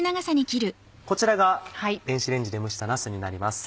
こちらが電子レンジで蒸したなすになります。